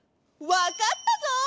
わかったぞ！